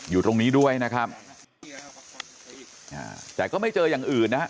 อยู่ตรงนี้ด้วยนะครับอ่าแต่ก็ไม่เจออย่างอื่นนะฮะ